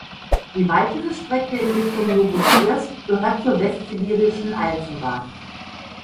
Die weitere Strecke in Richtung Nowosibirsk gehört zur Westsibirischen Eisenbahn.